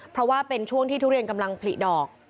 เพราะว่าเป็นช่วงที่ทุเรียนกำลังผลิดอก